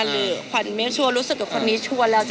คือหรือขวัญค่อยไม่ก็รู้สึกว่าคนนี้ชัวร์แล้ว